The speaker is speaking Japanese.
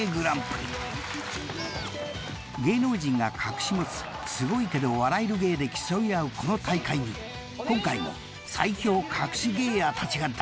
［芸能人が隠し持つすごいけど笑える芸で競い合うこの大会に今回も最強かくし芸ヤーたちが大集結］